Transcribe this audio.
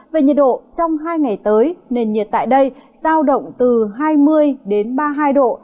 về nhiệt độ trong hai ngày tới nền nhiệt tại đây giao động từ hai mươi đến ba mươi hai độ